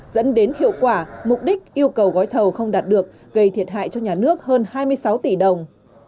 dẫn đến hiệu quả mục đích yêu cầu gói thầu không đạt được gây thiệt hại cho nhà nước hơn hai mươi sáu tỷ đồng